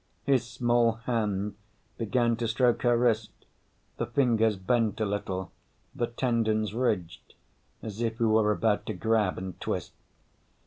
His small hand began to stroke her wrist, the fingers bent a little, the tendons ridged, as if he were about to grab and twist.